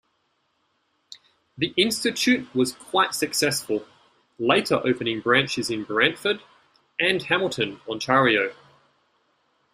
The Institute was quite successful, later opening branches in Brantford and Hamilton, Ontario.